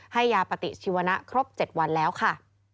ให้ยาปฏิชีวนะครบ๗วันแล้วค่ะ